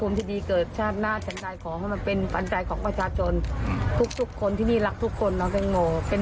มีเด็กไปรุ่น